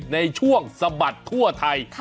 ในช่วงสะบัดทั่วไทย